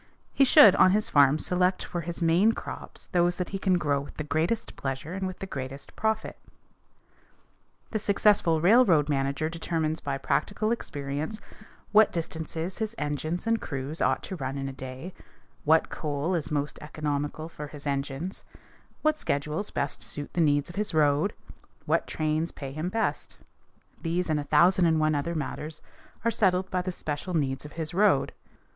He should, on his farm, select for his main crops those that he can grow with the greatest pleasure and with the greatest profit. [Illustration: FIG. 275. FILLING THE BARN WITH ROUGHAGE FROM THE FARM] The successful railroad manager determines by practical experience what distances his engines and crews ought to run in a day, what coal is most economical for his engines, what schedules best suit the needs of his road, what trains pay him best. These and a thousand and one other matters are settled by the special needs of his road.